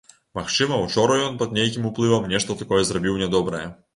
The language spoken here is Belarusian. Магчыма, учора ён пад нейкім уплывам нешта такое зрабіў нядобрае.